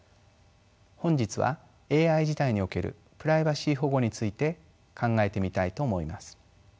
本日はＡＩ時代におけるプライバシー保護について考えてみたいと思います。